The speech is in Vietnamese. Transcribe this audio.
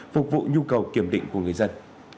phục vụ nhu cầu kiểm định của người dân